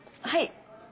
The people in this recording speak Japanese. はい。